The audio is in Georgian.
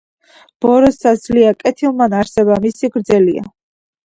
ბოროტსა სძლია კეთილმან, არსება მისი გრძელია.